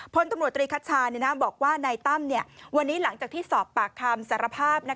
พลตำรวจตรีคัชชาบอกว่านายตั้มวันนี้หลังจากที่สอบปากคำสารภาพ